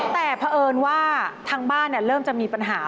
แต่เผอิญว่าทางบ้านเริ่มจะมีปัญหา